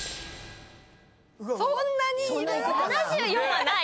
そんなにいる⁉７４はない！